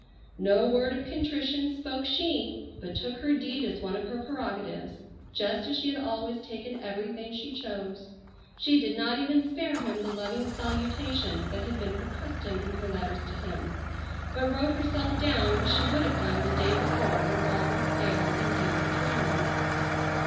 No word of contrition spoke she, but took her deed as one of her prerogatives, just as she had always taken everything she chose. She did not even spare him the loving salutation that had been her custom in her letters to him, but wrote herself down as she would have done the day before when all was fair and dear between them.